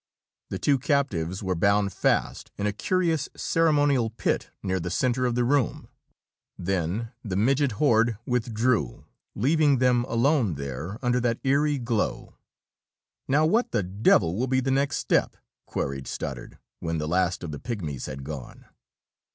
The two captives were bound fast in a curious ceremonial pit near the center of the room. Then the midget horde withdrew, leaving them alone there under that eery glow. "Now what the devil will be the next step?" queried Stoddard, when the last of the pigmies had gone.